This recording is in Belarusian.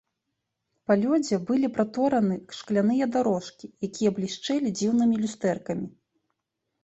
Па лёдзе былі пратораны шкляныя дарожкі, якія блішчэлі дзіўнымі люстэркамі.